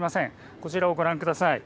こちらをご覧ください。